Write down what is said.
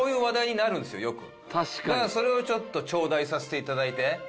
だからそれをちょっとちょうだいさせて頂いて。